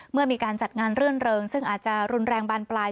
เมื่อมีการจัดงานรื่นเริงซึ่งอาจจะรุนแรงบานปลาย